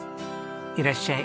いらっしゃい。